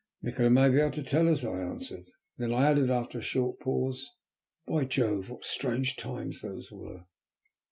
"Nikola may be able to tell us," I answered. Then I added after a short pause, "By Jove, what strange times those were."